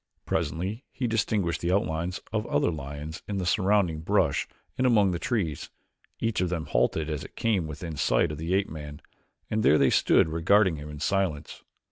Presently he distinguished the outlines of other lions in the surrounding brush and among the trees. Each of them halted as it came within sight of the ape man and there they stood regarding him in silence.